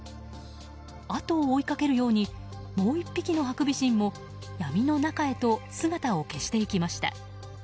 あとを追いかけるようにもう１匹のハクビシンも闇の中へと姿を消していきました。